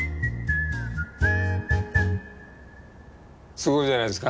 すごいじゃないですか。